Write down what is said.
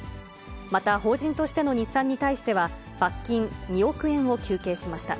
また、法人としての日産に対しては、罰金２億円を求刑しました。